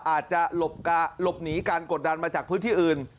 อาจจะหลบหนีการกดดันมาจากพื้นที่อื่น